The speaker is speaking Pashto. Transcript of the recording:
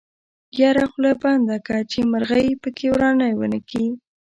يره خوله بنده که چې مرغۍ پکې ورانی ونکي.